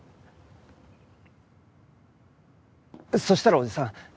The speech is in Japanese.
そしたらおじさん